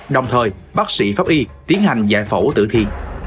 đồng thời bác sĩ pháp y tiến hành giải phẫu tử thi